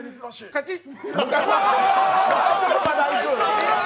カチッ！